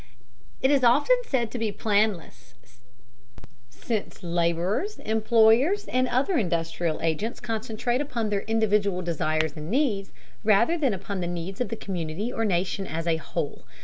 It is often said to be planless, since laborers, employers, and other industrial agents concentrate upon their individual desires and needs, rather than upon the needs of the community or nation as a whole.